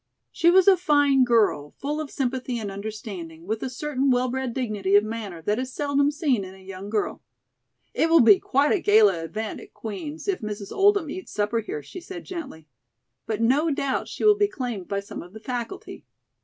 She was a fine girl, full of sympathy and understanding, with a certain well bred dignity of manner that is seldom seen in a young girl. "It will be quite a gala event at Queen's if Mrs. Oldham eats supper here," she said gently; "but no doubt she will be claimed by some of the faculty."